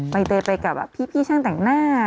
ใบเตยไปกับพี่ช่างแต่งหน้า